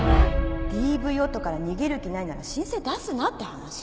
ＤＶ 夫から逃げる気ないなら申請出すなって話